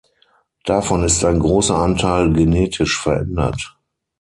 Davon ist ein großer Anteil genetisch verändert.